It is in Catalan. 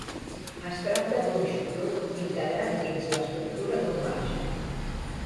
Es tracta d'un aixopluc integrat dins l'estructura d'un marge.